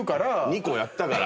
２個やったから。